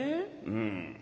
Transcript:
うん。